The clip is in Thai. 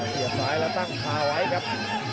เสียบซ้ายแล้วตั้งคาไว้ครับ